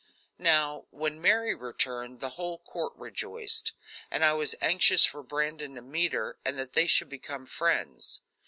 Now, when Mary returned the whole court rejoiced, and I was anxious for Brandon to meet her and that they should become friends.